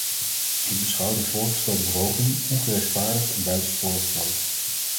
Ik beschouw de voorgestelde verhoging ongerechtvaardigd en buitensporig groot.